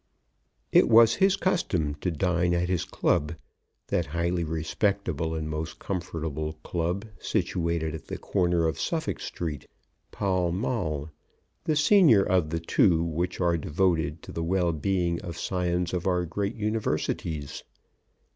It was his custom to dine at his club, that highly respectable and most comfortable club situated at the corner of Suffolk Street, Pall Mall; the senior of the two which are devoted to the well being of scions of our great Universities.